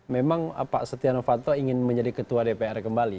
memang pak setia novanto ingin menjadi ketua dpr kembali